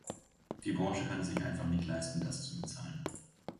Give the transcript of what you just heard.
Die Branche kann es sich einfach nicht leisten, das zu bezahlen.